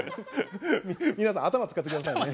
皆さん頭使ってくださいね。